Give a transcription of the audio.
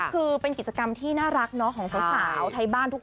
คือเป็นกิจกรรมที่น่ารักเนาะของสาวไทยบ้านทุกคน